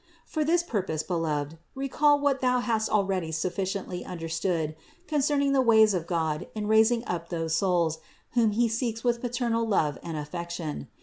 For this purpose, beloved, recall what thou hast already suf ficiently understood concerning the ways of God in rais ing up those souls, whom He seeks with paternal love and affection.